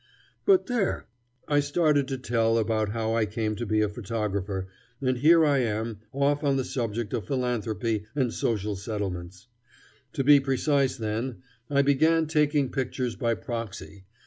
But there! I started out to tell about how I came to be a photographer, and here I am, off on the subject of philanthropy and social settlements. To be precise, then, I began taking pictures by proxy.